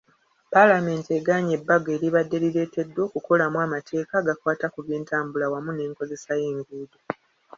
Paalamenti egaanye ebbago eribadde lireeteddwa okukolwamu amateeka agakwata ku by'entambula wamu n'enkozesa y'enguudo.